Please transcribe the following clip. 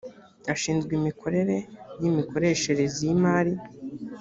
ashinzwe imikorere y’imikoresherezi y’imari